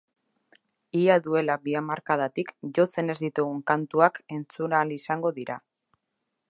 Ia duela bi hamarkadatik jotzen ez ditugun kantuak entzun ahal izango dira.